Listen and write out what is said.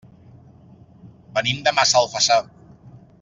Venim de Massalfassar.